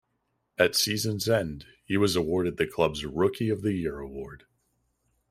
At season's end he was awarded the club's rookie of the year award.